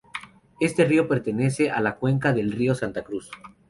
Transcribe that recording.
Este río pertenece a la cuenca del río Santa Cruz.